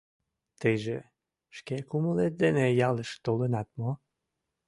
— Тыйже шке кумылет дене ялыш толынат мо?